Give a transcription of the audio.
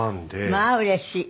まあうれしい。